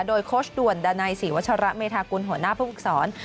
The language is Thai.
โดยโค้ชด่วนดานัยศรีวัชระเมธากุลหัวหน้าผู้ฝึกศร